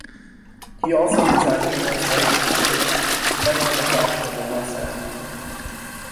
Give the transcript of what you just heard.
He also designed numerous residences, many in the fashionable West End.